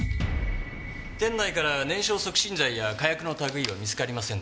店内から燃焼促進剤や火薬の類いは見つかりませんでした。